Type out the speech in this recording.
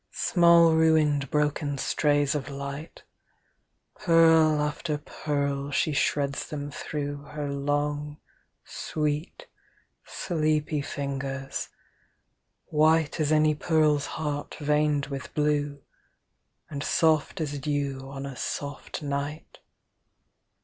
III Small ruined broken strays of light, Pearl after pearl she shreds them through Her long sweet sleepy fingers, white As any pearl's heart veined with blue, And soft as dew on a soft night.